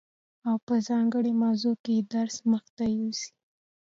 او په ځانګړي موضوع کي درس مخته يوسي،